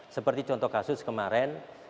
seperti contoh kasus kemarin